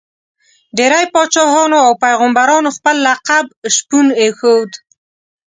ډېری پاچاهانو او پيغمبرانو خپل لقب شپون ایښود.